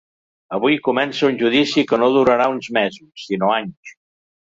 Avui comença un judici que no durarà uns mesos, sinó anys.